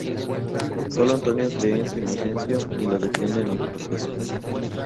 Sólo Antonio cree en su inocencia y la defiende en el proceso.